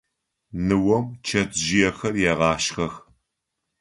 Ныом чэтжъыехэр егъашхэх.